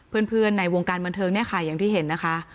เพื่อนในวงการบันเทิงเนี่ยค่ะอย่างที่เห็นนะคะ